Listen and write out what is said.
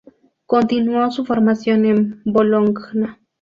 Continuó su formación en Bologna.